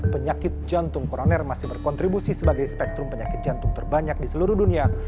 penyakit jantung koroner masih berkontribusi sebagai spektrum penyakit jantung terbanyak di seluruh dunia